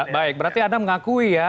baik berarti anda mengakui ya